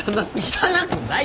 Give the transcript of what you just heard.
汚くない。